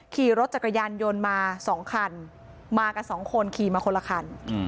ขี่รถจักรยานยนต์มา๒คันมากันสองคนขี่มาคนละคัน